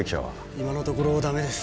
今のところ駄目です。